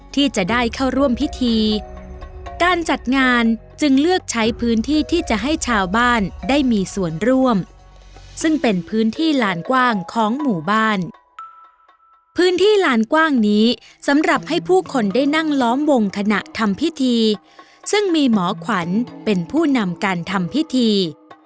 ที่ผู้คนได้นั่งล้อมวงขณะทำพิธีซึ่งมีหมอขวัญเป็นผู้นำการทำพิธี